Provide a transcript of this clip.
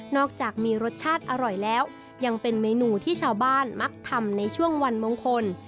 อกจากมีรสชาติอร่อยแล้วยังเป็นเมนูที่ชาวบ้านมักทำในช่วงวันมงคล